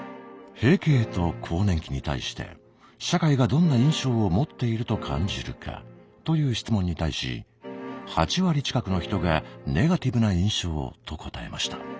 「閉経と更年期に対して社会がどんな印象を持っていると感じるか」という質問に対し８割近くの人が「ネガティブな印象」と答えました。